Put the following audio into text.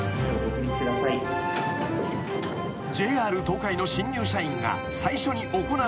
［ＪＲ東海の新入社員が最初に行うこと。